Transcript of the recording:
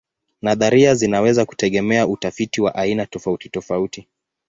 Nadharia zinaweza kutegemea utafiti wa aina tofautitofauti.